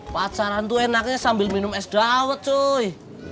pacaran tuh enaknya sambil minum es dawet sih